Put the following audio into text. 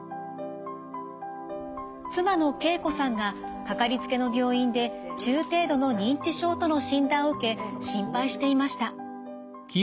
妻の圭子さんがかかりつけの病院で中程度の認知症との診断を受け心配していました。